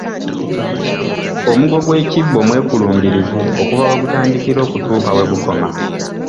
Omugo gw’ekibbo mwekulungirivu okuva we gutandikira okutuuka we gukoma.